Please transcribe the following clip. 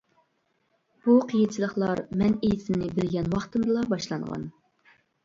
بۇ قىيىنچىلىقلار مەن ئېسىمنى بىلگەن ۋاقتىمدىلا باشلانغان.